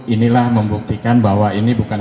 inilah membuktikan bahwa ini bukan